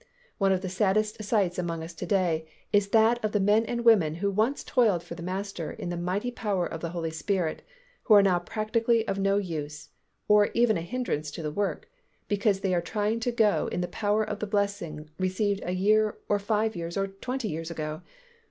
One of the saddest sights among us to day is that of the men and women who once toiled for the Master in the mighty power of the Holy Spirit who are now practically of no use, or even a hindrance to the work, because they are trying to go in the power of the blessing received a year or five years or twenty years ago.